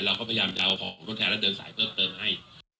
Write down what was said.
เราก็พยายามจะเอาของทดแทนและเดินสายเพิ่มเติมให้